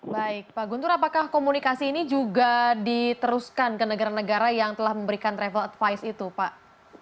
baik pak guntur apakah komunikasi ini juga diteruskan ke negara negara yang telah memberikan travel advice itu pak